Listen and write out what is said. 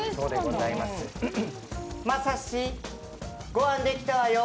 まさし、ご飯できたわよ。